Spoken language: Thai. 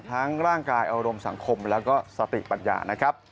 ร่างกายอารมณ์สังคมแล้วก็สติปัญญานะครับ